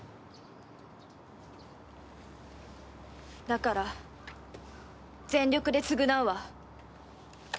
だから全力で償うわ。